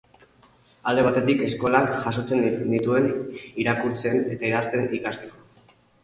Alde batetik, eskolak jasotzen nituen, irakurtzen eta idazten ikasteko.